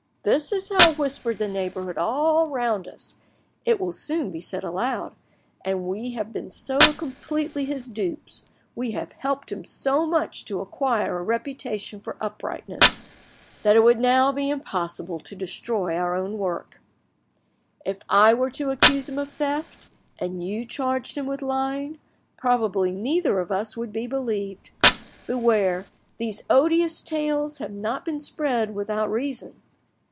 This is now whispered the neighbourhood all round us, it will soon be said aloud, and we have been so completely his dupes, we have helped him so much to acquire a reputation for uprightness, that it would now be impossible to destroy our own work; if I were to accuse him of theft, and you charged him with lying, probably neither of us would be believed. Beware, these odious tales have not been spread without a reason.